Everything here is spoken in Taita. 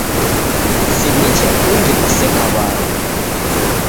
Si nicha kungi kuseka w'andu.